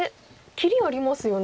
切りありますよね。